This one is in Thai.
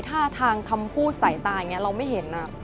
ท่าทางคำพูดสายตาอย่างนี้เราไม่เห็น